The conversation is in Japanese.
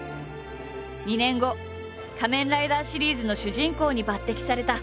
２年後「仮面ライダー」シリーズの主人公に抜てきされた。